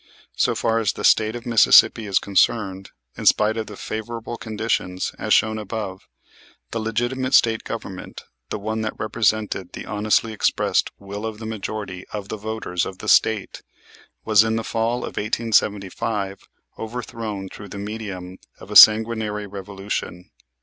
So far as the State of Mississippi is concerned, in spite of the favorable conditions, as shown above, the legitimate State Government, the one that represented the honestly expressed will of a majority of the voters of the State, was in the fall of 1875 overthrown through the medium of a sanguinary revolution.